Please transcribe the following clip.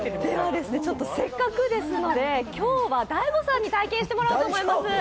せっかくですので今日は大悟さんに体験していただこうと思います。